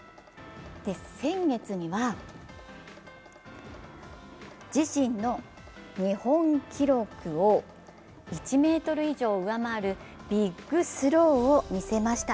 先月には自身の日本記録を１ｍ以上上回るビッグスローを見せました。